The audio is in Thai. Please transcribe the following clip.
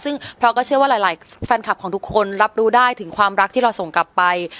ซึ่งเพราะก็เชื่อว่าหลายแฟนคลับของทุกคนรับรู้ได้ถึงความรักที่เราส่งกลับไป